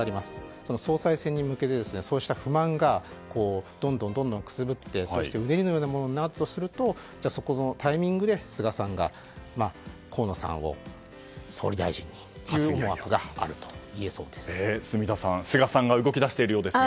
その総裁選に向けてそうした不満がどんどんくすぶってうねりのようなものになるとそこのタイミングで菅さんが河野さんを総理大臣に住田さん、菅さんが動き出しているようですが。